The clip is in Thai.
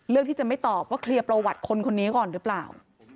ที่จะไม่ตอบว่าเคลียร์ประวัติคนคนนี้ก่อนหรือเปล่า